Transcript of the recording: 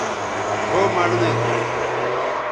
ڙھؤ مڑنئ تھو